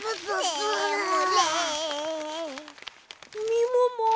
みもも